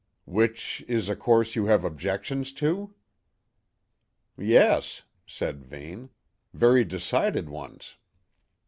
"Which is a course you have objections to?" "Yes," said Vane, "very decided ones."